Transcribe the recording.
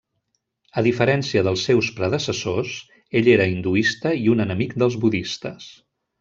A diferència dels seus predecessors, ell era hinduista i un enemic dels budistes.